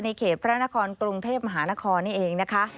เขตพระนครกรุงเทพมหานครนี่เองนะคะ